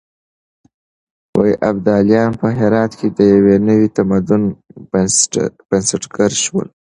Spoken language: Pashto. ابداليان په هرات کې د يو نوي تمدن بنسټګر شول.